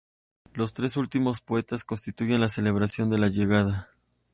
Los tres últimos poemas constituyen la celebración de la llegada.